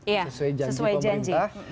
iya sesuai janji pemerintah